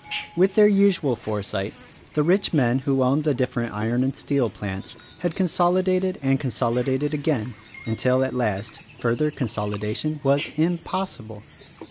With their usual foresight the rich men who owned the different Iron and Steel plants had consolidated and con solidated again, until at last, further consolidation was impossible.